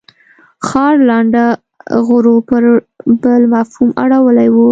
ښار لنډه غرو پر بل مفهوم اړولې وه.